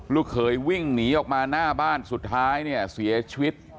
เขยวิ่งหนีออกมาหน้าบ้านสุดท้ายเนี่ยเสียชีวิต